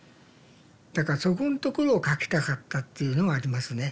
だからそこんところを書きたかったっていうのはありますね。